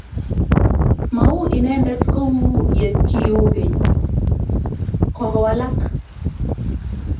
Mau inendet kou ye kiu keny, kogowalak.